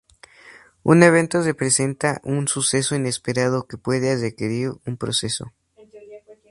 Un evento representa un suceso inesperado que puede requerir un proceso.